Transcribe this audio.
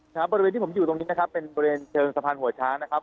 ครับบริเวณที่ผมอยู่ตรงนี้นะครับเป็นบริเวณเชิงสะพานหัวช้างนะครับ